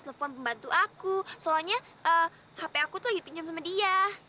telepon pembantu aku soalnya hp aku tuh lagi pinjam sama dia